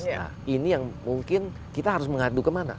nah ini yang mungkin kita harus mengadu kemana